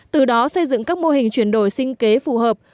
từ đó xây dựng các mô hình chuyển đổi sinh kế phù hợp